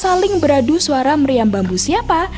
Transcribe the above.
saling beradu suara meriam bambu siapa